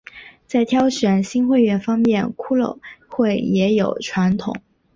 在挑选新会员方面骷髅会也有传统。